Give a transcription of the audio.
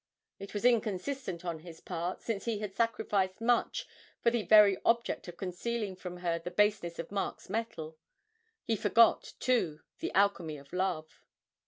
It was inconsistent on his part, since he had sacrificed much for the very object of concealing from her the baseness of Mark's metal. He forgot, too, the alchemy of love.